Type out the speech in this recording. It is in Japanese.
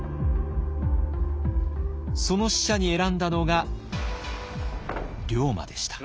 その使者に選んだのが龍馬でした。